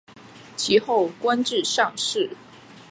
其后官至上士。